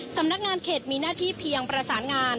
สำนักงานเขตมีหน้าที่เพียงประสานงาน